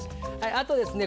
あとですね